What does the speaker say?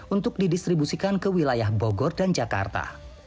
untuk didistribusikan ke wilayah bogor dan jakarta